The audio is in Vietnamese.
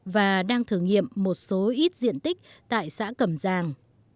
và đang thử nghiệm một số ít diện tích tại xã cầm giàng